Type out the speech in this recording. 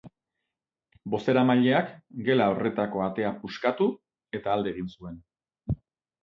Bozeramaileak gela horretako atea puskatu, eta alde egin zuen.